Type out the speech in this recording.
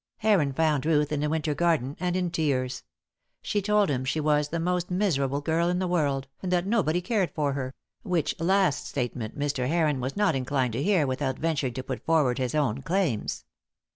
Heron found Ruth in the winter garden and in tears. She told him, she was the moat miserable girl in the world, and that nobody cared for her; which last statement Mr. Heron was not inclined to hear without venturing to put forward his own claims.